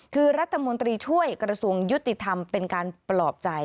คือรัฐมนตรีช่วยกระทรวงยุติธรรมเป็นการปลอบใจ